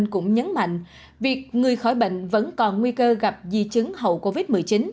cũng nhấn mạnh việc người khỏi bệnh vẫn còn nguy cơ gặp di chứng hậu covid một mươi chín